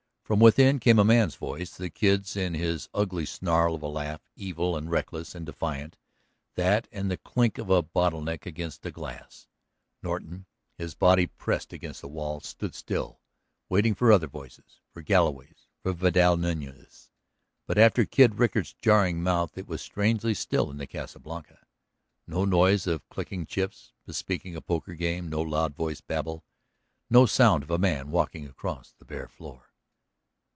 From within came a man's voice, the Kid's, in his ugly snarl of a laugh, evil and reckless and defiant, that and the clink of a bottle neck against a glass. Norton, his body pressed against the wall, stood still, waiting for other voices, for Galloway's, for Vidal Nuñez's. But after Kid Rickard's jarring mirth it was strangely still in the Casa Blanca; no noise of clicking chips bespeaking a poker game, no loud voiced babble, no sound of a man walking across the bare floor.